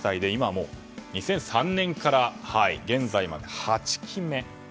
５０歳で２００３年から現在まで８期目。